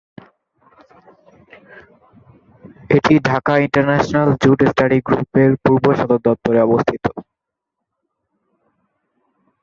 এটি Dhaka international jute study group এর পূর্ব সদর দপ্তরে অবস্থিত।